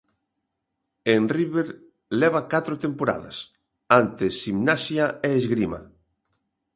En River leva catro temporadas, antes Ximnasia e Esgrima.